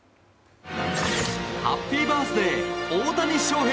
ハッピーバースデー大谷翔平。